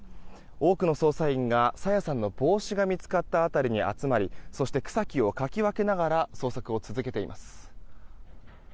多くの捜査員が朝芽さんの帽子が見つかった辺りに集まりそして、草木をかき分けながら捜索を続けています。